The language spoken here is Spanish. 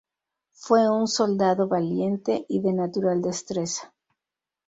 Fue un soldado valiente y de natural destreza.